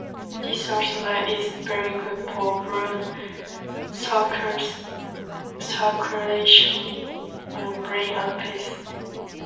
This asana is very good for blood circulation on brain and face.